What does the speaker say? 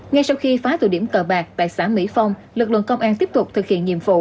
ngay sau khi phá tụi điểm cờ bạc tại xã mỹ phong lực lượng công an tiếp tục thực hiện nhiệm vụ